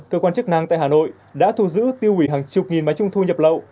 cơ quan chức năng tại hà nội đã thu giữ tiêu hủy hàng chục nghìn bánh trung thu nhập lậu